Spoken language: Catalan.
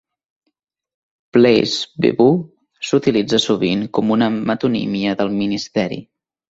"Place Beauvau" s'utilitza sovint com una metonímia del ministeri.